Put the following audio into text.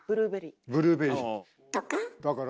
ブルーベリー。とか？